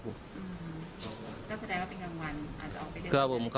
แล้วแสดงว่าเป็นกลางวันอาจจะออกไปด้วยครับ